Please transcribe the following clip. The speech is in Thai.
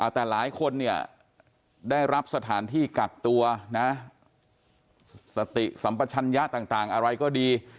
แต่หลายคนเนี่ยได้รับสถานที่กักตัวนะสติสัมปชัญญะต่างอะไรก็ดี